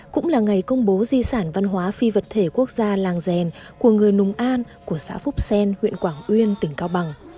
cũng là ngày công bố di sản văn hóa phi vật thể quốc gia làng rèn của người nùng an của xã phúc sen huyện quảng uyên tỉnh cao bằng